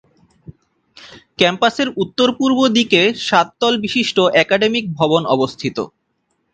ক্যাম্পাসের উত্তরপূর্ব দিকে সাত তল বিশিষ্ট অ্যাকাডেমিক ভবন অবস্থিত।